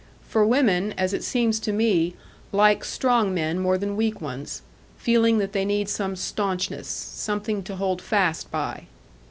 For women, as it seems to me, like strong men more than weak ones, feeling that they need some staunchness, something to hold fast by.